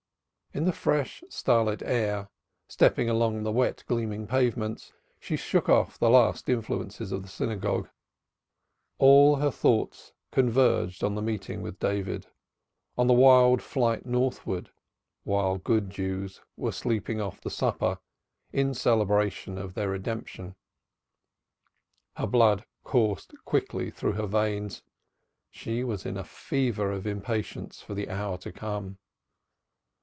In the fresh starlit air, stepping along the wet gleaming pavements, she shook off the last influences of the synagogue; all her thoughts converged on the meeting with David, on the wild flight northwards while good Jews were sleeping off the supper in celebration of their Redemption; her blood coursed quickly through her veins, she was in a fever of impatience for the hour to come.